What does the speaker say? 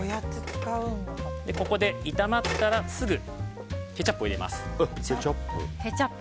ここで炒まったらすぐケチャップを入れます。